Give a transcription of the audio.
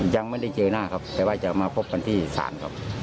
ยังไม่ได้เจอหน้าครับแต่ว่าจะมาพบกันที่ศาลครับ